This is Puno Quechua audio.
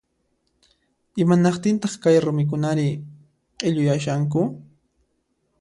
Imanaqtintaq kay rumikunari q'illuyashanku